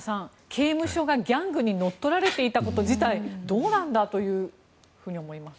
刑務所がギャングに乗っ取られていたこと自体どうなんだというふうに思います。